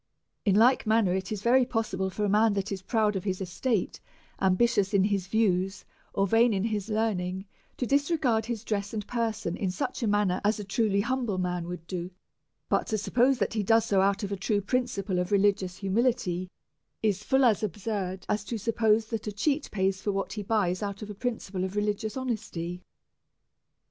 . In like manner^ it is very possible for a man that is proud of his estate^ ambitious in his views^ or vain of his learning', to disregard his dress and person in such a manner as a truly humble man would do ; but to suppose that he does so out of a true principle of re ligious humility is full as absurd as to suppose that a cheat pays for what he buys out of a principle of reli gious honesty.